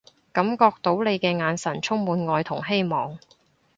感覺到你嘅眼神充滿愛同希望